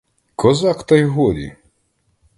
Козак, та й годі!